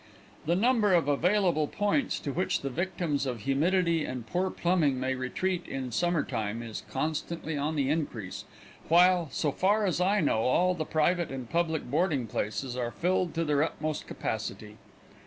The number of available points to which the victims of humidity and poor plumbing may retreat in summer time is constantly on the increase, while, so far as I know, all the private and public boarding places are filled to their utmost capacity.